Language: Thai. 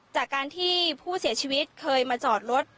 จากการที่ผู้เสียชีวิตเคยมาจอดรถ